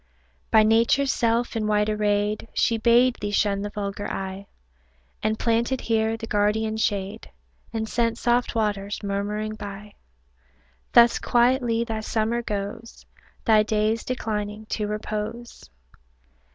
By Nature's self in white arrayed, She bade thee shun the vulgar eye, And planted here the guardian shade, And sent soft waters murmuring by; Thus quietly thy summer goes, Thy days declining to repose.